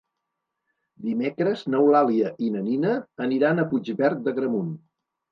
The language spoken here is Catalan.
Dimecres n'Eulàlia i na Nina aniran a Puigverd d'Agramunt.